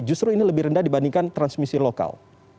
justru ini lebih rendah dibandingkan transmisi lokal